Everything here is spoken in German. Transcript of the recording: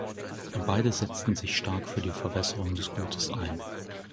Beide setzten sich stark für die Verbesserung des Gutes ein.